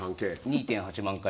２．８万回。